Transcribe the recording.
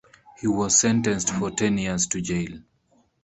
He was sentenced for ten years to jail.